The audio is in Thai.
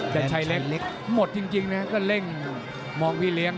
ชัดชัยเล็กหมดจริงนะก็เร่งมองพี่เลี้ยง